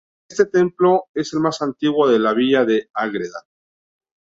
Este templo es la más antiguo de la villa de Ágreda.